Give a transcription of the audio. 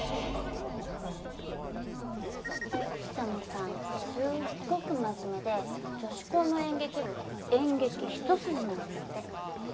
瞳さんってすっごく真面目で女子校の演劇部から演劇一筋なんですって。